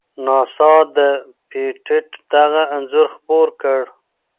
ناسا د پېټټ دغه انځور خپور کړ.